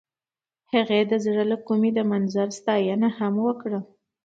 هغې د زړه له کومې د منظر ستاینه هم وکړه.